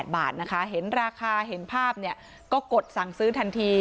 บาทนะคะเห็นราคาเห็นภาพเนี่ยก็กดสั่งซื้อทันที